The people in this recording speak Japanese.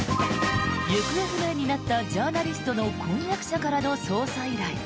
行方不明になったジャーナリストの婚約者からの捜査依頼。